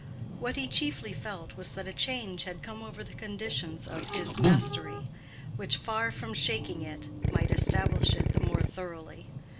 What he chiefly felt was that a change had come over the conditions of his mastery, which, far from shaking it, might establish it the more thoroughly.